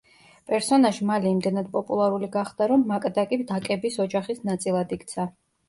პერსონაჟი მალე იმდენად პოპულარული გახდა, რომ მაკდაკი დაკების ოჯახის ნაწილად იქცა.